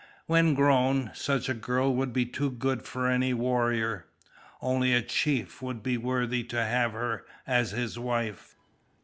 When grown, such a girl would be too good for any warrior. Only a chief would be worthy to have her as his wife.